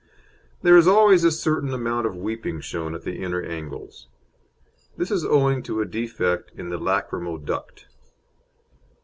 There is always a certain amount of weeping shown at the inner angles. This is owing to a defect in the lachrymal duct.